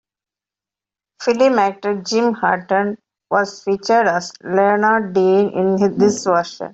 Film actor Jim Hutton was featured as Leonard Dean in this version.